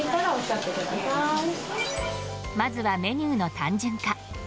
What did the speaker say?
まずはメニューの単純化。